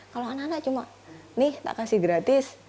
kalau anak anak cuma nih tak kasih gratis